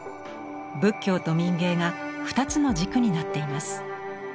仏教と民藝が二つの軸になっています。